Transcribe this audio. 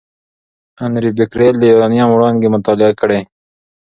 انري بکرېل د یورانیم وړانګې مطالعه کړې.